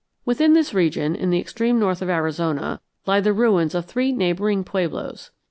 Within this region, in the extreme north of Arizona, lie the ruins of three neighboring pueblos.